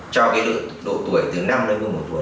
cho cái độ tuổi từ năm đến một mươi một tuổi